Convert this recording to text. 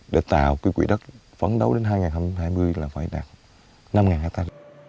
để tạo cái quỹ đất phấn đấu đến hai nghìn hai mươi là phải đạt năm hải tài